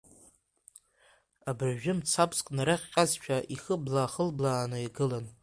Абыржәы мцабзк нарыхҟьазшәа ихыблаа-хыблааны игылан.